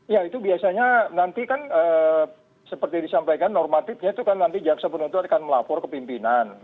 ya itu biasanya nanti kan seperti disampaikan normatifnya itu kan nanti jaksa penuntut akan melapor ke pimpinan